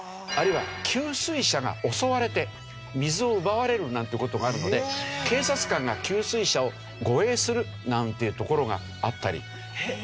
あるいは給水車が襲われて水を奪われるなんていう事があるので警察官が給水車を護衛するなんていう所があったり。